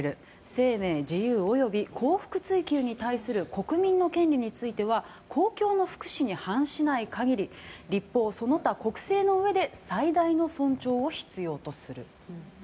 生命、自由及び幸福追求に対する国民の権利については公共の福祉に反しない限り、立法その他の国政の上で最大の尊重を必要とする。